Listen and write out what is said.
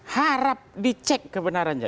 harap dicek kebenarannya